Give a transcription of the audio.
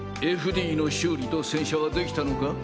ＦＤの修理と洗車はできたのか？